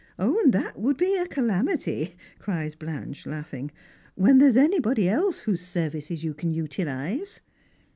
"And that would be a calamity," cries Blanche, laughing, "when there is anybody else whose services you can utilise